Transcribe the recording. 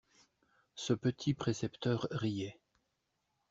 Ce petit précepteur riait.